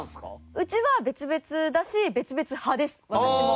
うちは別々だし別々派です私も。